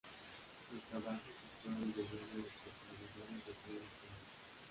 Los trabajos exploran de lleno las posibilidades de cada instrumento.